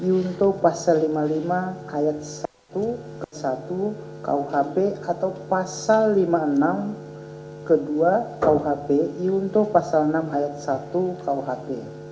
yuntuh pasal lima puluh lima ayat satu ke satu kuhp atau pasal lima puluh enam ke dua kuhp iuntuh pasal enam ayat satu kuhp